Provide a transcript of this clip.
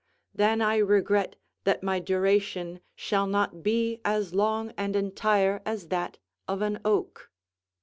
] than I regret that my duration shall not be as long and entire as that of an oak.